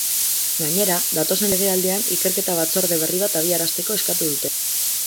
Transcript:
Gainera, datozen legealdian ikerketa batzorde berri bat abiarazteko eskatu dute.